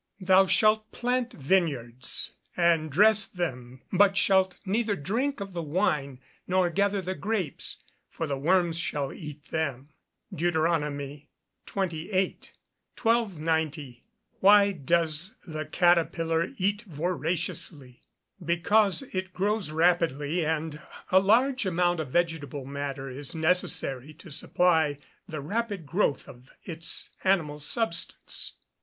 [Verse: "Thou shalt plant vineyards, and dress them, but shalt neither drink of the wine, nor gather the grapes: for the worms shall eat them." DEUTERONOMY XXVIII.] 1290. Why does the caterpillar eat voraciously? Because it grows rapidly, and a large amount of vegetable matter is necessary to supply the rapid growth of its animal substance.